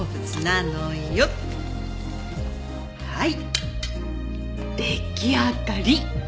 はい出来上がり。